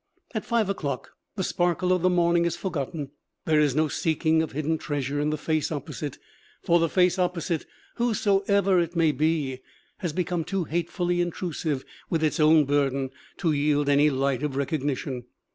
At five o'clock the sparkle of the morning is forgotten. There is no seeking of hidden treasure in the face opposite, for the face opposite, whosesoever it may be, has become too hatefully intrusive with its own burden to yield any light of recognition.